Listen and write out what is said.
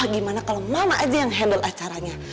gimana kalau mama aja yang handle acaranya